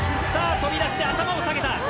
飛び出して頭を下げた。